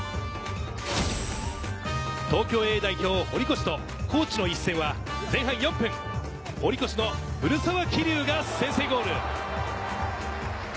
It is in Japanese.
東京Ａ代表・堀越と高知の一戦は前半４分、堀越の古澤希竜が先制ゴール。